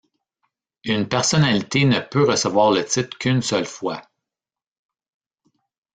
Une personnalité ne peut recevoir le titre qu'une seule fois.